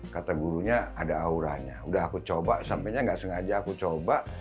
kata gurunya ada auranya udah aku coba sampainya gak sengaja aku coba